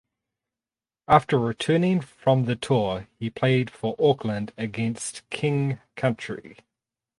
After returning from the tour he played for Auckland against King Country.